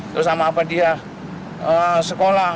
terus sama apa dia sekolah